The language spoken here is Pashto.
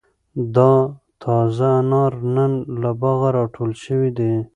دا تازه انار نن له باغه را ټول شوي دي.